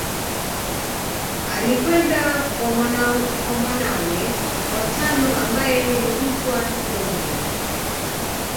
Alikwenda kwa mwanawe wa tano ambaye ni Mtwa Kilonge